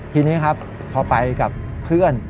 ทีนี้ครับพอไปกับเพื่อน